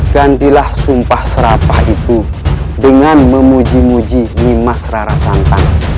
gantilah sumpah serapah itu dengan memuji muji ni mas rara santong